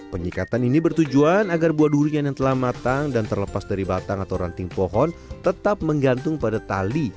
penyikatan ini bertujuan agar buah durian yang telah matang dan terlepas dari batang atau ranting pohon tetap menggantung pada tali